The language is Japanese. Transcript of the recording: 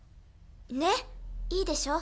・ねっいいでしょ？